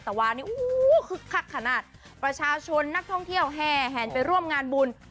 แต่ว่านี่คึกคักขนาดประชาชนนักท่องเที่ยวแห่แห่นไปร่วมงานบุญ